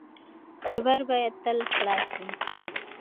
خیبر باید تل خلاص وي.